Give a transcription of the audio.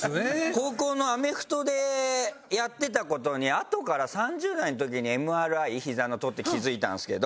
高校のアメフトでやってた事にあとから３０代の時にＭＲＩヒザの撮って気づいたんですけど。